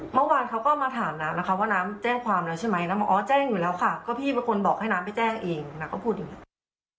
เมื่อวานเขาก็มาถามน้ำนะคะว่าน้ำแจ้งความแล้วใช่ไหมน้ำบอกอ๋อแจ้งอยู่แล้วค่ะก็พี่เป็นคนบอกให้น้ำไปแจ้งเองน้ำก็พูดอย่างนี้